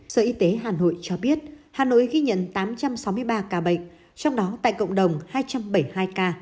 sở y tế hà nội cho biết hà nội ghi nhận tám trăm sáu mươi ba ca bệnh trong đó tại cộng đồng hai trăm bảy mươi hai ca